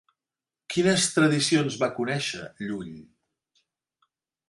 Quines tradicions va conèixer Llull?